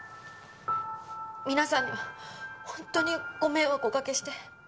皆さんには本当にご迷惑をおかけして。